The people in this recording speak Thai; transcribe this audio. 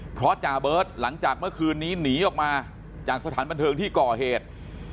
เพราะจ่าเบิร์ตหลังจากเมื่อคืนนี้หนีออกมาจากสถานบันเทิงที่ก่อเหตุ